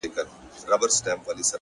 • ځوان خپل څادر پر سر کړ،